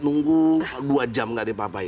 nunggu dua jam nggak dipapai